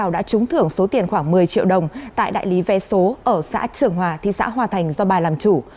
đã trúng thưởng số tiền khoảng một mươi triệu đồng tại đại lý vé số ở xã trường hòa thị xã hòa thành do bà làm chủ